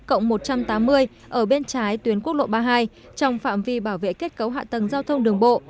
ở bên trái tuyến quốc lộ ba mươi hai trong phạm vi bảo vệ kết cấu hạ tầng giao thông đường bộ